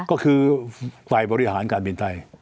ก็คือฝ่ายบริหารการบินไทย